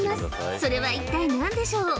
それは一体何でしょう？